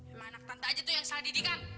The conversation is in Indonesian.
emang anak tante aja tuh yang salah didikan